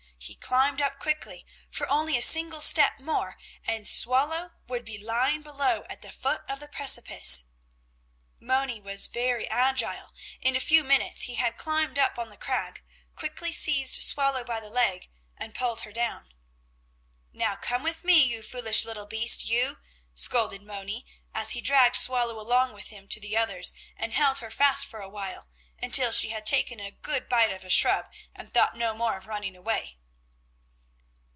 He climbed up quickly, for only a single step more and Swallow would be lying below at the foot of the precipice. Moni was very agile; in a few minutes he had climbed up on the crag, quickly seized Swallow by the leg, and pulled her down. "Now come with me, you foolish little beast, you," scolded Moni, as he dragged Swallow along with him to the others, and held her fast for a while, until she had taken a good bite of a shrub and thought no more of running away.